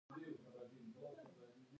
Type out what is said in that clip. راځه د ژبې په نوم یو بل ته لاس ورکړو.